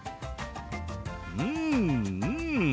うんうん！